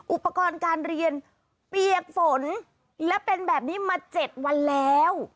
อุปกรณ์การเรียนเปียกฝนและเป็นแบบนี้มา๗วันแล้ว